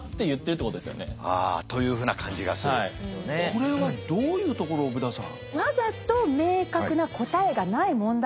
これはどういうところをブダさん。